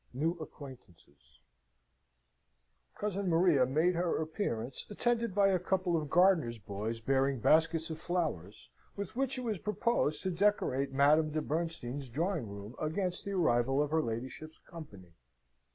New Acquaintances Cousin Maria made her appearance, attended by a couple of gardener's boys bearing baskets of flowers, with which it was proposed to decorate Madame de Bernstein's drawing room against the arrival of her ladyship's company.